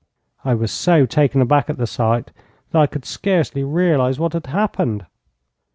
I was so taken aback at the sight, that I could scarcely realize what had happened.